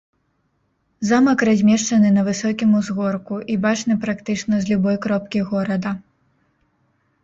Замак размешчаны на высокім узгорку і бачны практычна з любой кропкі горада.